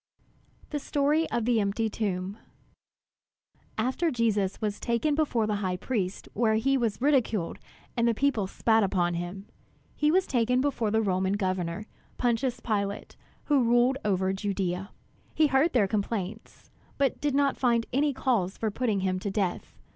THE STORY OF THE EMPTY TOMB After Jesus was taken before the high priest where he was ridiculed and the people spat upon him, he was taken before the Roman Governor, Pontius Pilate, who ruled over Judea. He heard their complaints, but did not find any cause for putting him to death.